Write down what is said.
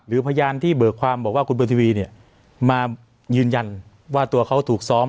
พยานที่เบิกความบอกว่าคุณเบอร์ทีวีเนี่ยมายืนยันว่าตัวเขาถูกซ้อม